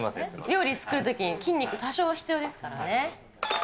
料理作るときに、筋肉、多少は必要ですからね。